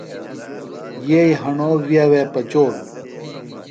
یئیی ہݨو وِیہ وے پچولوۡ۔